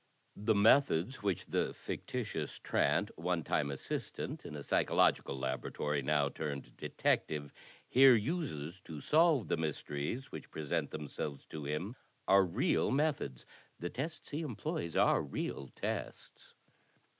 "The methods which the fictitious Trant — one time assist ant in a psychological laboratory, now turned detective — here uses to solve the mysteries which present themselves to him, are real methods; the tests he employs are real tests.